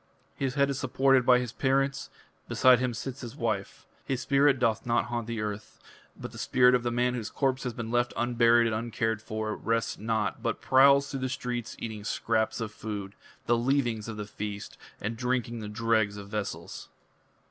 His head is supported by his parents: beside him sits his wife. His spirit doth not haunt the earth. But the spirit of that man whose corpse has been left unburied and uncared for, rests not, but prowls through the streets eating scraps of food, the leavings of the feast, and drinking the dregs of vessels."